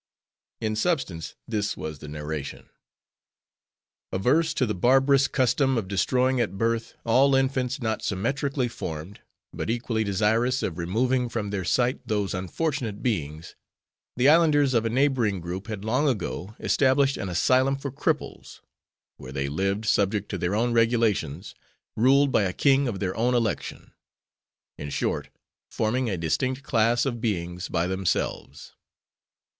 In substance, this was the narration. Averse to the barbarous custom of destroying at birth all infants not symmetrically formed; but equally desirous of removing from their sight those unfortunate beings; the islanders of a neighboring group had long ago established an asylum for cripples; where they lived, subject to their own regulations; ruled by a king of their own election; in short, forming a distinct class of beings by themselves.